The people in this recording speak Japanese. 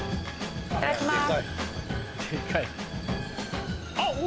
いただきます。